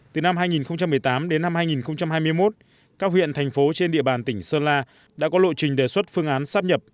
từ năm hai nghìn một mươi tám đến năm hai nghìn hai mươi một các huyện thành phố trên địa bàn tỉnh sơn la đã có lộ trình đề xuất phương án sắp nhập